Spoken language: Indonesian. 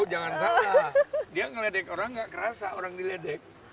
oh jangan salah dia ngeledek orang nggak kerasa orang diledek